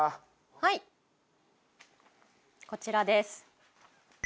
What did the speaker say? はいこちらです。